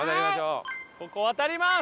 ここ渡ります！